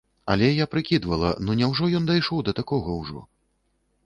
Але я прыкідвала, ну няўжо ён дайшоў да такога ўжо?